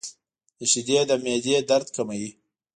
• شیدې د معدې درد کموي.